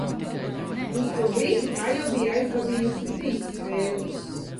Uz to brīdi tā jau bija aizvadījusi trīs spēles.